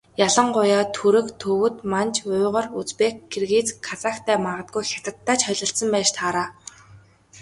Ялангуяа Түрэг, Төвөд, Манж, Уйгар, Узбек, Киргиз, Казахтай магадгүй Хятадтай ч холилдсон байж таараа.